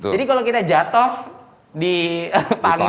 jadi kalau kita jatoh di panggung